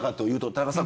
田中さん